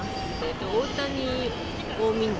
大谷を見に。